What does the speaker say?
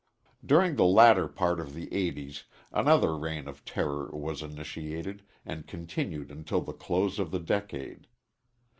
During the latter part of the eighties another reign of terror was initiated, and continued until the close of the decade.